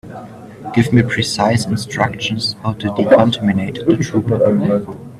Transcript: Give me precise instructions how to decontaminate the trooper.